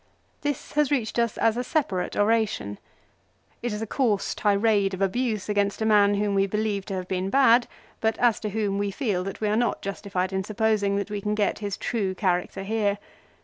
This has reached us as a separate oration. It is a coarse tirade of abuse against a man whom we believe to have been bad, but as to whom we feel that we are not justified in supposing that we can get his true character here.